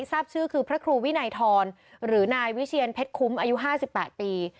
ทราบชื่อคือพระครูวินัยทรหรือนายวิเชียนเพชรคุ้มอายุ๕๘ปี